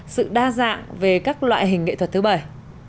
sự đa dạng về các loại hình nghệ thuật thứ bảy